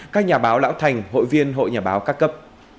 các nhà báo lão thành hội viên hội nhà báo các cấp